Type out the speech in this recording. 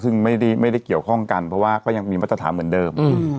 ซึ่งไม่ได้เกี่ยวข้องกันเพราะว่าก็ยังมีมาตรฐานเหมือนเดิม